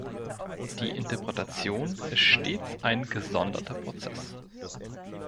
Die Interpretation ist stets ein gesonderter Prozess.